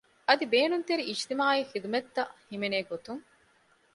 އަދި ބޭނުންތެރި އިޖްތިމާޢީ ޚިދުމަތްތައް ހިމެނޭ ގޮތުން